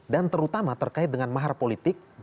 dan terutama terkait dengan mahar politik